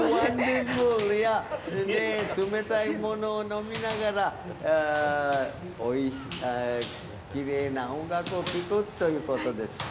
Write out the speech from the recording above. すごい！すげー冷たいものを飲みながら、きれいな音楽を聴くということで。